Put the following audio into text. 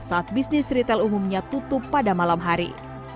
saat bisnis retail umumnya tutup pada malam hari